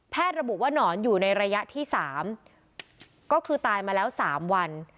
ระบุว่านอนอยู่ในระยะที่๓ก็คือตายมาแล้ว๓วัน